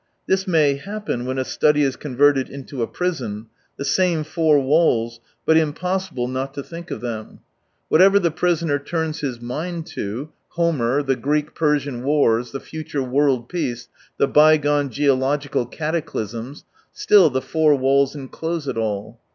This may happen when a study is converted into a prison : the same four walls, but impossible not to 164 think of them ! Whatever the prisoner turns his mind to — Homer, the Greek Persian wars, the future world peace, the bygone geological cataclysms — still the four walls enclose it all.